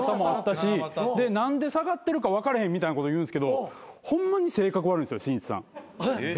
で何で下がってるか分かれへんみたいなこと言うんすけどホンマに性格悪いんですよしんいちさん。